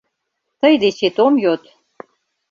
— Тый дечет ом йод!